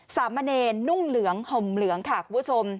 สามเณรนุ่งเหลืองห่มเหลืองค่ะคุณผู้ชม